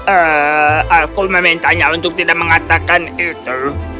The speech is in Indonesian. eh aku memintanya untuk tidak mengatakan itu